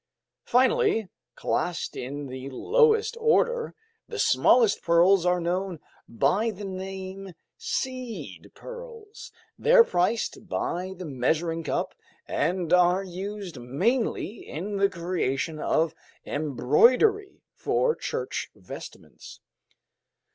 Finally, classed in the lowest order, the smallest pearls are known by the name seed pearls; they're priced by the measuring cup and are used mainly in the creation of embroidery for church vestments."